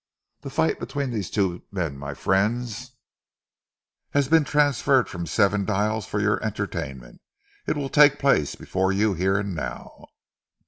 The fight between these men, my friends, has been transferred from Seven Dials for your entertainment. It will take place before you here and now."